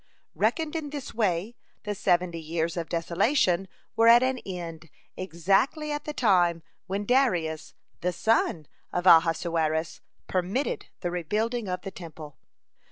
Reckoned in this way, the seventy years of desolation were at an end exactly at the time when Darius, the son of Ahasuerus, permitted the rebuilding of the Temple.